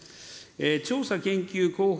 調査研究広報